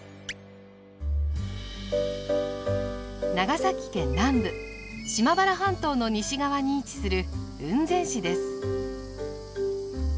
長崎県南部島原半島の西側に位置する雲仙市です。